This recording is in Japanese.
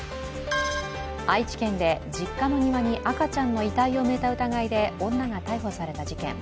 愛知県で実家の庭に赤ちゃんの遺体を埋めた疑いで女が逮捕された事件。